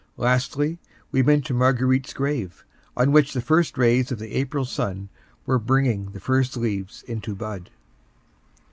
Lastly, we went to Marguerite's grave, on which the first rays of the April sun were bringing the first leaves into bud.